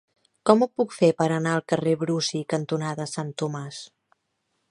Com ho puc fer per anar al carrer Brusi cantonada Sant Tomàs?